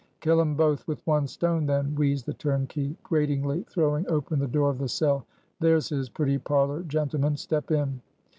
"Kill 'em both with one stone, then," wheezed the turnkey, gratingly throwing open the door of the cell. "There's his pretty parlor, gentlemen; step in.